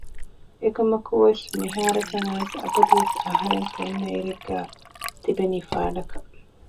އެކަމުވެސް މިހާރަކަށް އައިސް އަބަދު ވެސް އަހަރެން ފެންނަ އިރެއްގައި ތިބެނީ ފާޑަކަށް